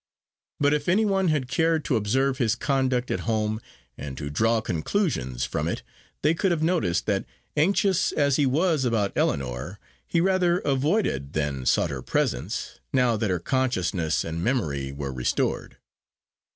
But if any one had cared to observe his conduct at home, and to draw conclusions from it, they could have noticed that, anxious as he was about Ellinor, he rather avoided than sought her presence, now that her consciousness and memory were restored.